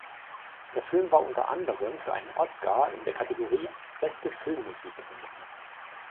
Der Film war unter anderem für einen Oscar in der Kategorie Beste Filmmusik nominiert.